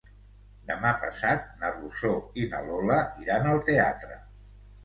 Demà passat na Rosó i na Lola iran al teatre.